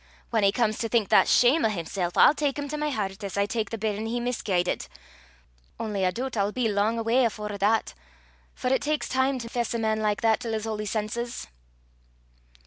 Whan he comes to think that shame o' himsel', I'll tak him to my hert, as I tak the bairn he misguidit. Only I doobt I'll be lang awa afore that, for it taks time to fess a man like that till 's holy senses."